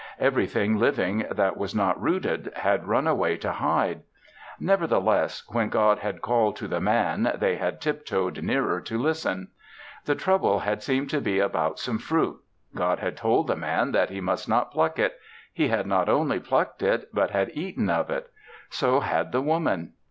Everything living that was not rooted, had run away to hide. Nevertheless, when God had called to the Man, they had tiptoed nearer to listen. The trouble had seemed to be about some fruit. God had told the Man that he must not pluck it; he had not only plucked it, but had eaten of it. So had the Woman.